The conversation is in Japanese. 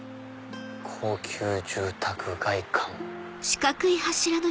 高級住宅街感。